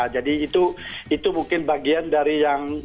jadi itu mungkin bagian dari yang